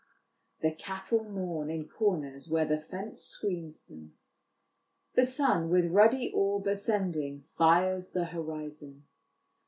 "The cattle mourn in corners where the fence screens them." " The sun, with ruddy orb Ascending, fires the horizon."